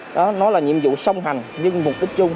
đó nó là nhiệm vụ song hành nhưng mục đích chung